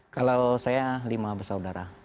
kalau saya lima bersaudara